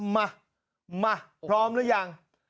มามาพร้อมหรือยัง